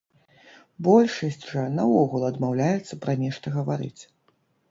Большасць жа наогул адмаўляецца пра нешта гаварыць.